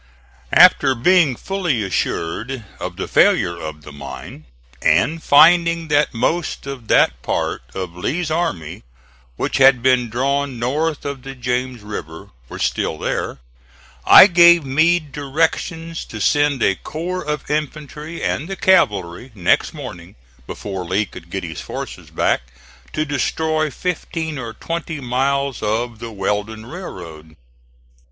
After being fully assured of the failure of the mine, and finding that most of that part of Lee's army which had been drawn north of the James River were still there, I gave Meade directions to send a corps of infantry and the cavalry next morning, before Lee could get his forces back, to destroy fifteen or twenty miles of the Weldon Railroad.